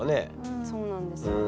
そうなんですよ。